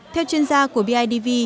theo chuyên gia của bidv